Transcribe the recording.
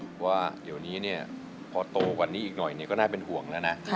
เพราะว่าเดี๋ยวนี้เนี่ยพอโตกว่านี้อีกหน่อยก็น่าเป็นห่วงแล้วนะ